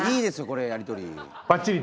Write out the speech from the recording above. これやり取り。